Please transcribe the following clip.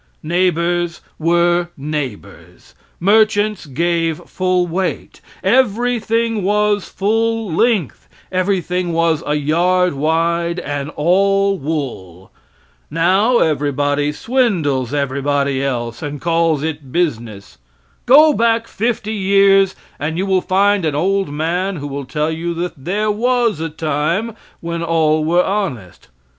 Neighbors were neighbors. Merchants gave full weight. Everything was full length; everything was a yard wide and all wool. Now everybody swindles everybody else, and calls it business. Go back fifty years and you will find an old man who will tell you that there was a time when all were honest.